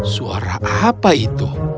suara apa itu